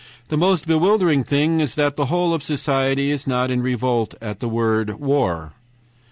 THE MOST BEWILDERING THING IS THAT THE WHOLE OF SOCIETY IS NOT IN REVOLT AT THE WORD WAR."